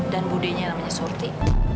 dan budenya yang namanya surti